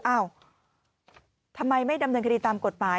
อ้าวทำไมไม่ดำเนินคดีตามกฎหมาย